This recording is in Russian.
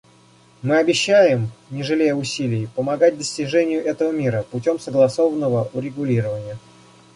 Мы обещаем, не жалея усилий, помогать достижению этого мира путем согласованного урегулирования.